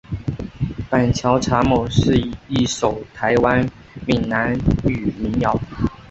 板桥查某是一首台湾闽南语民谣。